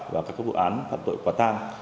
và các vụ án phạm tội quả tan